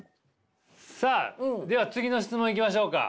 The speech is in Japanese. さあでは次の質問いきましょうか。